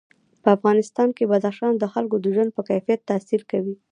په افغانستان کې بدخشان د خلکو د ژوند په کیفیت تاثیر کوي.